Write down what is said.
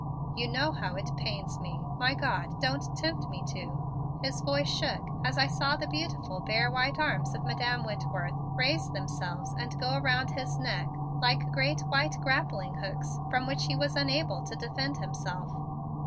"You know how it pains me my God, don't tempt me to " His voice shook as I saw the beautiful, bare white arms of Madam Whitworth raise themselves and go about his neck like great white grappling hooks from which he was unable to defend himself.